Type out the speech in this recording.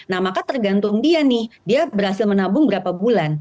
nah maka tergantung dia nih dia berhasil menabung berapa bulan